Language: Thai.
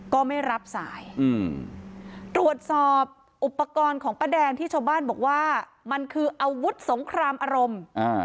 ก็ไม่รับสายอืมตรวจสอบอุปกรณ์ของป้าแดงที่ชาวบ้านบอกว่ามันคืออาวุธสงครามอารมณ์อ่า